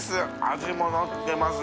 味ものってます。